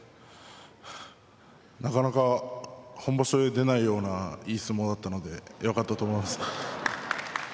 なかなか本場所で出ないようないい相撲だったのでよかったと思います。